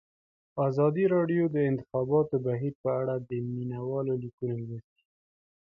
ازادي راډیو د د انتخاباتو بهیر په اړه د مینه والو لیکونه لوستي.